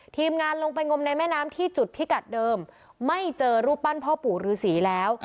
ทีมงานลงไปงมในแม่น้ำที่จุดพิกัดเดิมไม่เจอรูปปั้นพ่อปู่ฤษีแล้ว